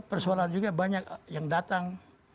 persoalan juga banyak yang datang